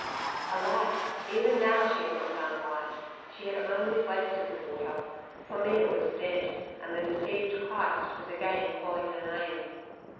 Alas! even now she had not done right. She had only wasted the water, for Mina was dead, and the deceived Christ was again calling her name.